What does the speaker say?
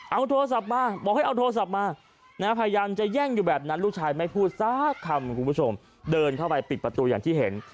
เอาโทรศัพท์มาบอกให้เอาโทรศัพท์มาพยายามจะแย่งอยู่แบบนั้นลูกชายไม่พูดสักคำคุณผู้ชมเดินเข้าไปปิดประตูอย่างที่เห็น